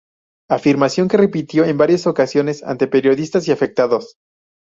Afirmación que repitió en varias ocasiones ante periodistas y afectados.